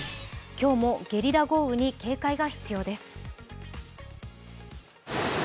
今日も、ゲリラ豪雨に警戒が必要です。